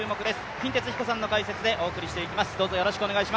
金哲彦さんの解説でお送りしていきます。